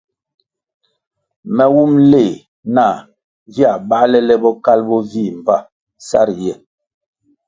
Me wumʼ leh nah viā bāle le bokalʼ bo vii mbpa sa riye.